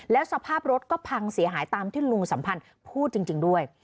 แล้วสภาพรถก็พังเสียหายตามที่ลุงสัมพันธ์พูดจริงด้วย